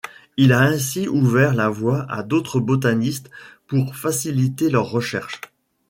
Il a ainsi ouvert la voie à d’autres botanistes pour faciliter leurs recherches.